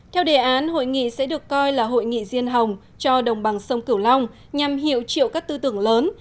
theo đề án hội nghị sẽ được coi là hội nghị riêng hồng cho đồng bằng sông cửu long nhằm hiệu chịu các tư tưởng lớn